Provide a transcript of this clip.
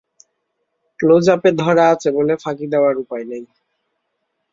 ক্লোজআপে ধরা আছে বলে ফাঁকি দেবার উপায় নেই।